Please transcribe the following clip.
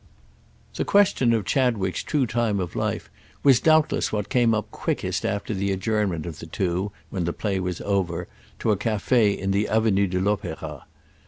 The question of Chadwick's true time of life was, doubtless, what came up quickest after the adjournment of the two, when the play was over, to a café in the Avenue de l'Opéra.